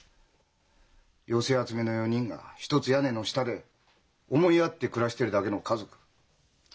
寄せ集めの４人が一つ屋根の下で思い合って暮らしてるだけの家族。